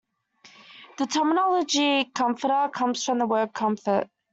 The terminology comforter comes from the word comfort.